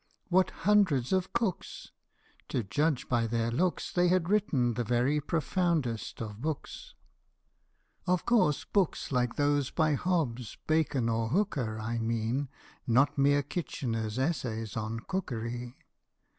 What hundreds of cooks ! To judge by their looks, They had written the very profoundest of books. (Of course, books like those by Hobbes, Bacon, or Hooker I Mean not mere Kitchener's Essays on Cookery.) THE SLEEPING BEAUTY.